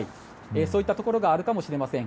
そういったところがあるかもしれません。